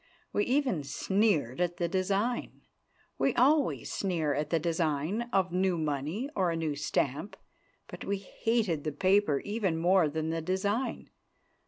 We even sneered at the design. We always sneer at the design of new money or a new stamp. But we hated the paper even more than the design.